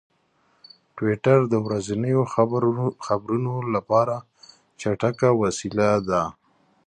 ټویټر د ورځنیو خبرونو لپاره چټک وسیله ده.